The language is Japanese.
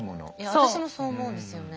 私もそう思うんですよね